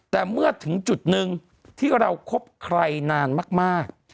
แต่เมื่อถึงจุดหนึ่งที่เราคบใครนานมาก